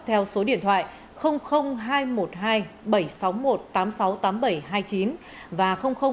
theo số điện thoại hai một hai bảy sáu một tám sáu tám bảy hai chín và hai một hai sáu một tám năm ba sáu năm năm hai